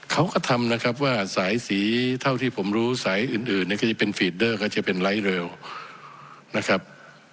เขาก็ทำนะครับว่าสายสีเท่าที่ผมรู้สายอื่นเนี่ยก็จะเป็นฟีดเดอร์ก็จะเป็นไลท์เรลนะครับ